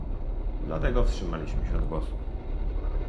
Dlatego wstrzymaliśmy się od głosu